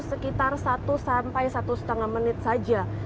sekitar satu sampai satu lima menit saja